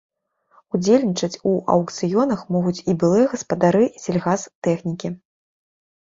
Удзельнічаць у аўкцыёнах могуць і былыя гаспадары сельгастэхнікі.